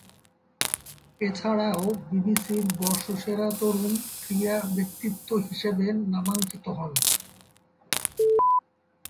এছাড়াও বিবিসির বর্ষসেরা তরুণ ক্রীড়া ব্যক্তিত্ব হিসেবে নামাঙ্কিত হন।